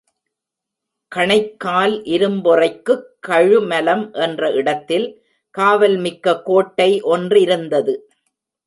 கணைக்கால் இரும்பொறைக்குக் கழுமலம் என்ற இடத்தில் காவல் மிக்க கோட்டை ஒன்றிருந்தது.